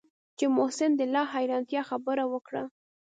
چې محسن د لا حيرانتيا خبره وکړه.